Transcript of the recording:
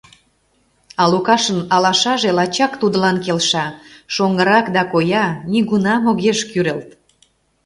А Лукашын алашаже лачак тудлан келша: шоҥгырак да коя, нигунам огеш кӱрылт.